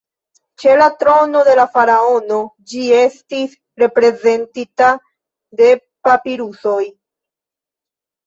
Ĉe la trono de la faraono ĝi estis reprezentita de papirusoj.